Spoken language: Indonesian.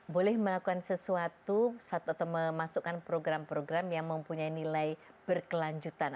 boleh melakukan sesuatu atau memasukkan program program yang mempunyai nilai berkelanjutan